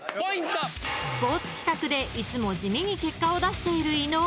［スポーツ企画でいつも地味に結果を出している伊野尾］